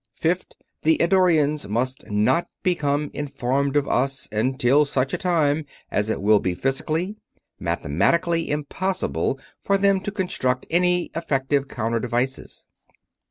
Fifth: the Eddorians must not become informed of us until such a time as it will be physically, mathematically impossible for them to construct any effective counter devices."